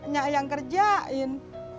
nya yang kerjain